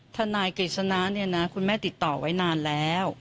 ทนายกฤษณะเนี่ยนะคุณแม่ติดต่อไว้นานแล้ว